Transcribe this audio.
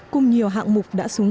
cùng nhiều hạng mục đã xuống cả